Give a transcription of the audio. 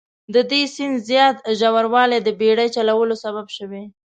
د دې سیند زیات ژوروالی د بیړۍ چلولو سبب شوي.